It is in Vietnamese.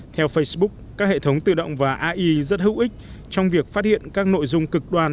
theo facebook các hệ thống tự động và ai rất hữu ích trong việc phát hiện các nội dung cực đoan